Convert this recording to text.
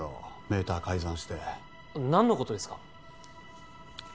メーター改ざんして何のことですか？